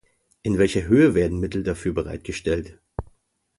In welcher Höhe werden Mittel dafür bereitgestellt?